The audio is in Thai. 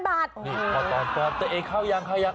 อือนี่พอตอบจะเอ้ยเข้ายัง